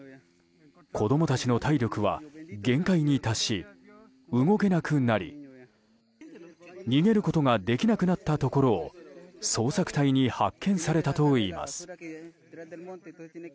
子供たちの体力は限界に達し動けなくなり、逃げることができなくなったところを捜索隊に発見されたといいます。